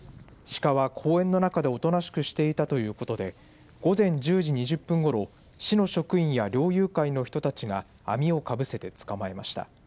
シカは公園の中でおとなしくしていたということで午前１０時２０分ごろ市の職員や猟友会の人たちが網をかぶせて捕まえました。